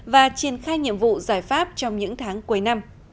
và triển khai nhiệm vụ giải pháp trong những tháng cuối năm